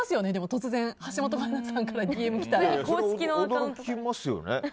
突然、橋本環奈さんから驚きますよね。